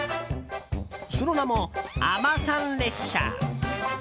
その名も、海女さん列車。